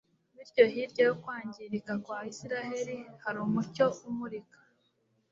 Bityo hirya yo kwangirika kwa Isiraheli hari umucyo umurika